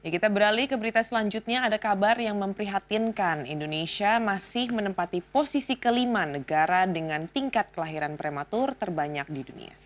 kita beralih ke berita selanjutnya ada kabar yang memprihatinkan indonesia masih menempati posisi kelima negara dengan tingkat kelahiran prematur terbanyak di dunia